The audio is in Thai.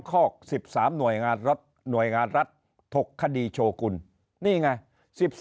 คอก๑๓หน่วยงานรัฐหน่วยงานรัฐถดตกคดีโชว์คุณนี่ไง๑๓